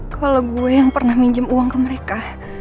kalau gue yang pernah minjem uang ke mereka